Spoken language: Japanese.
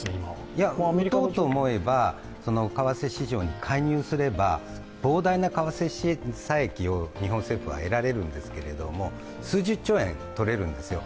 いや、打とうと思えば、為替市場に介入すれば、膨大な為替差益を日本政府は得られるんですけど、数十兆円取れるんですよ。